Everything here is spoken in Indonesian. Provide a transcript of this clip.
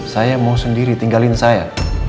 saya mau sendiri tinggalin saya